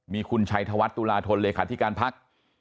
มีคุณชัยธวัฒน์ตุลาธนเลยค่ะที่การพัก